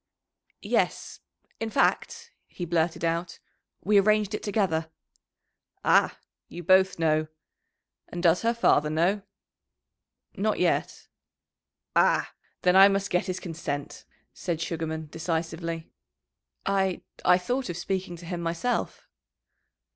"Yes. In fact," he blurted out, "we arranged it together." "Ah! You both know. And does her father know?" "Not yet." "Ah! then I must get his consent," said Sugarman decisively. "I I thought of speaking to him myself."